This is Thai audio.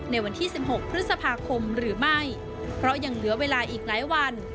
ในวันที่๑๖พฤษภาคมหรือไม่เพราะยังเหลือเวลาอีกหลายวัน